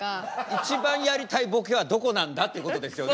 一番やりたいボケはどこなんだってことですよね。